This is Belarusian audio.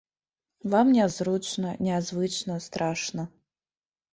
Вам нязручна, нязвычна, страшна.